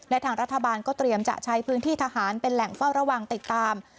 และทางรัฐบาลก็เตรียมจะใช้พื้นที่ทหารเป็นแหล่งเฝ้าระวังติดตาม